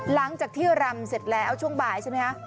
หลังจากที่รำเสร็จแล้วช่วงบ่ายใช่ไหมคะ